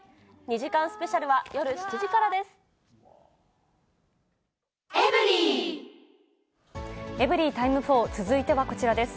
２時間スペシャルは夜７時からです。